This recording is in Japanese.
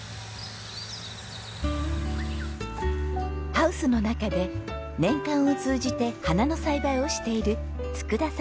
ハウスの中で年間を通じて花の栽培をしている佃さんご夫婦。